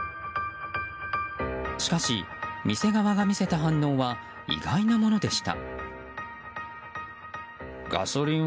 しかし、店側が見せた反応は意外なものでした。